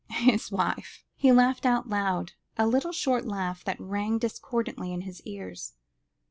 His wife? He laughed aloud, a little short laugh that rang discordantly in his ears.